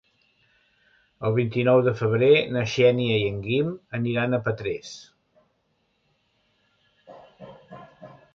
El vint-i-nou de febrer na Xènia i en Guim aniran a Petrés.